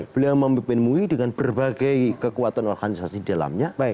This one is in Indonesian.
beliau memimpin mui dengan berbagai kekuatan organisasi dalamnya